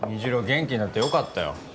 元気になってよかったよ